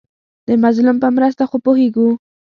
د مظلوم په مرسته خو پوهېږو.